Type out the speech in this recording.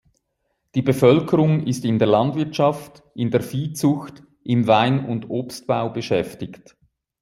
Die Bevölkerung ist in der Landwirtschaft, in der Viehzucht, im Wein- und Obstbau beschäftigt.